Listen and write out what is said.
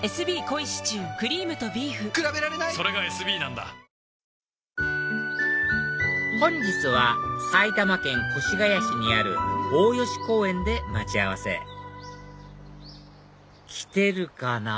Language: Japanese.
「はだおもいオーガニック」本日は埼玉県越谷市にある大吉公園で待ち合わせ来てるかな？